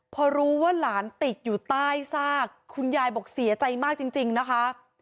พอรู้ว่าหลานติดอยู่ใต้ซากคุณยายบอกเสียใจมากจริงนะคะ